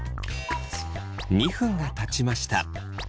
２分がたちました。